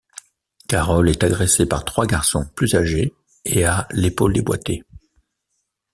Carol est agressée par trois garçons plus âgés et a l'épaule déboîtée.